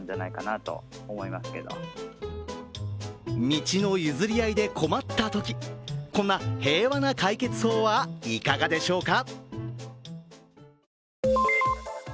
道の譲り合いで困ったときこんな平和な解決法はいかがでしょうか？